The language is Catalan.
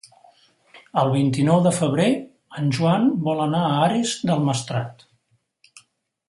El vint-i-nou de febrer en Joan vol anar a Ares del Maestrat.